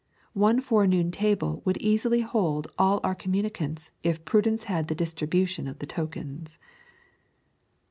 One forenoon table would easily hold all our communicants if Prudence had the distribution of the tokens.